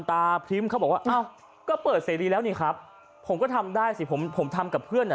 พริ้มเขาบอกว่าอ้าวก็เปิดเสรีแล้วนี่ครับผมก็ทำได้สิผมผมทำกับเพื่อนอ่ะ